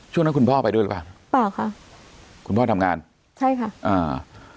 ช่วงนั้นคุณพ่อไปด้วยหรือเปล่าเปล่าค่ะคุณพ่อทำงานใช่ค่ะอ่า